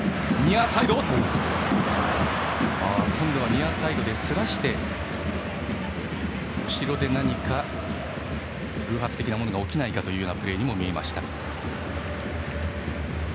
今度はニアサイドですらして後ろで何か偶発的なものが起きないかというようなプレーにも見えました。